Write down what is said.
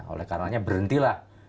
oleh karena berhenti lah